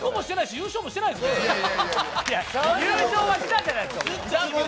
優勝はしたじゃないですか。